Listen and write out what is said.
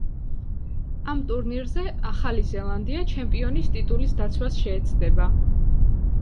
ამ ტურნირზე ახალი ზელანდია ჩემპიონის ტიტულის დაცვას შეეცდება.